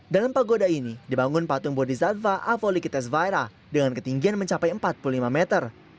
dalam pagoda ini dibangun patung bodhisattva avalokiteshvara dengan ketinggian mencapai empat puluh lima meter